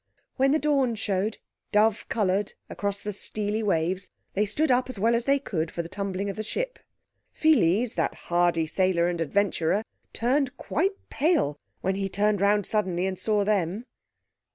When the dawn showed, dove coloured, across the steely waves, they stood up as well as they could for the tumbling of the ship. Pheles, that hardy sailor and adventurer, turned quite pale when he turned round suddenly and saw them.